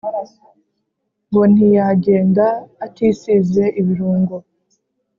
ngo ntiyagenda atisize ibirungo